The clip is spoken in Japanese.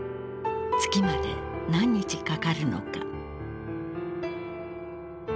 月まで何日かかるのか？